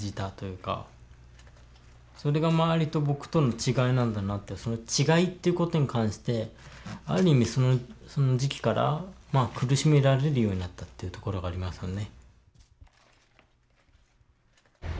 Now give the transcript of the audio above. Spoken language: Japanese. それが周りと僕との違いなんだなってその違いということに関してある意味その時期からまあ苦しめられるようになったというところがありますよね。